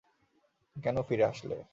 কেন ফিরে আসলে?